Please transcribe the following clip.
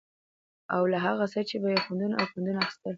او له هغو څخه به يې خوندونه او پندونه اخيستل